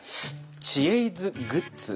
「知恵泉」グッズ